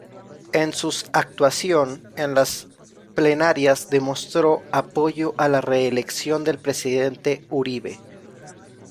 En sus actuación en las plenarias demostró apoyo a la reelección del presidente Uribe.